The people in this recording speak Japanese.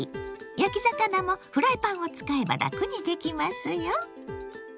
焼き魚もフライパンを使えばラクにできますよ。